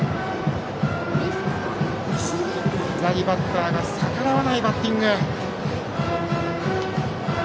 左バッターが逆らわないバッティング。